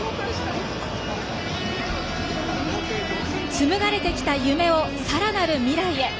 つむがれてきた夢をさらなる未来へ。